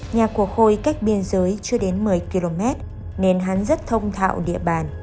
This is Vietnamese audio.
nhà của khôi cách biên giới chưa đến một mươi km nên hắn rất thông thạo địa bàn